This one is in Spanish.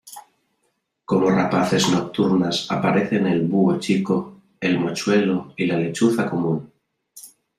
Como rapaces nocturnas aparecen el búho chico, el mochuelo y la lechuza común.